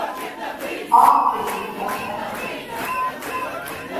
A készítette.